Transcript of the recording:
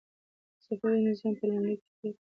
د صفوي نظام په لومړیو کې ډېر قتل عامونه وشول.